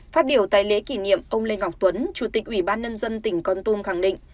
phát biểu tại lễ kỷ niệm ông lê ngọc tuấn chủ tịch ủy ban nhân dân tỉnh con tum khẳng định